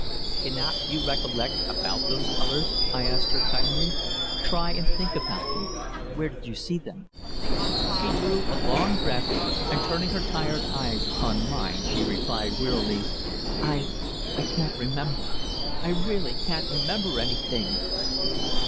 "Cannot you recollect about those colours?" I asked her kindly. "Try and think about them. Where did you see them?" She drew a long breath, and turning her tired eyes upon mine, she replied wearily: "I I can't remember. I really can't remember anything!"